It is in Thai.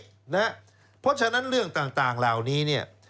เพราะฉะนั้นเรื่องต่างเหล่านี้เนี่ย